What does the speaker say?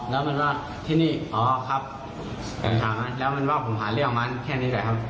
แล้วมันว่าที่นี่อ๋อครับแล้วมันว่าผมหาเรื่องมันแค่นี้แหละครับ